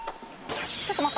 ちょっと待った。